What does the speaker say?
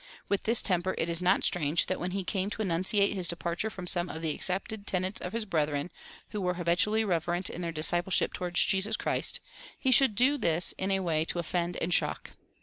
With this temper it is not strange that when he came to enunciate his departure from some of the accepted tenets of his brethren, who were habitually reverent in their discipleship toward Jesus Christ, he should do this in a way to offend and shock.